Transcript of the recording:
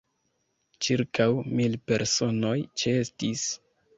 Ĉirkaŭ mil personoj ĉeestis.